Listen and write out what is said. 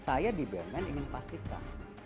saya di bumn ingin pastikan